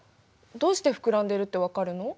どうして膨らんでいるって分かるの？